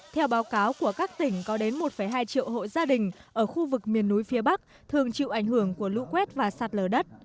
theo báo cáo của các tỉnh có đến một hai triệu hộ gia đình ở khu vực miền núi phía bắc thường chịu ảnh hưởng của lũ quét và sạt lở đất